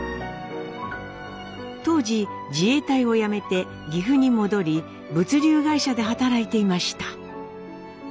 当時自衛隊を辞めて岐阜に戻り物流会社で働いていました。